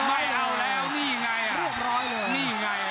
ไม่เอาแล้วนี่ไงนี่ไง